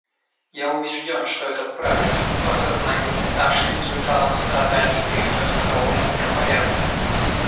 Я убежден, что этот прорыв в осознании, ставший результатом страданий, приведет к новому миропорядку.